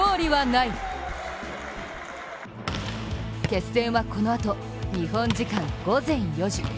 決戦はこのあと、日本時間午前４時。